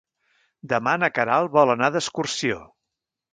Demà na Queralt vol anar d'excursió.